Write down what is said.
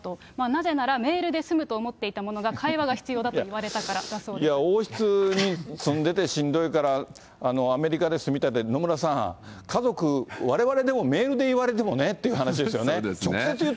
なぜなら、メールで済むと思っていたものが会話が必要だと言われたからだそいや、王室に住んでてしんどいからアメリカで住みたいって、野村さん、家族、われわれでもメールで言われてもねっていう話ですよね。